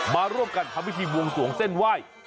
มาร่วมกันทำพิธีบวงสวงเส้นไหว้